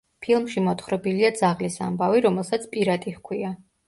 ფილმში მოთხრობილია ძაღლის ამბავი, რომელსაც პირატი ჰქვია.